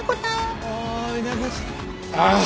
ああ。